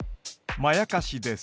まやかしです。